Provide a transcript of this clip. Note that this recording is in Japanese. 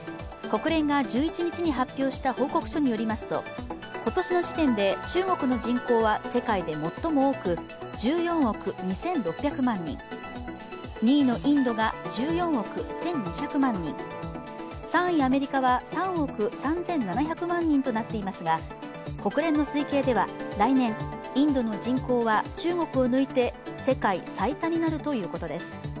国連が１１日に発表した報告書によりますと今年の時点で、中国の人口は世界で最も多く１４億２６００万人、２位のインドが１４億１２００万人、３位、アメリカは３億３７００万人となっていますが国連の推計では、来年、インドの人口は中国を抜いて世界最多になるということです。